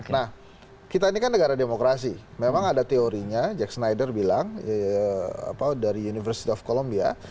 nah kita ini kan negara demokrasi memang ada teorinya jack snider bilang dari university of columbia